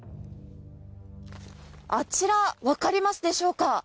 あちら分かりますでしょうか。